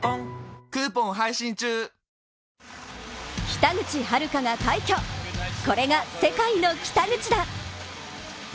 北口榛花が快挙、これが世界の北口だ！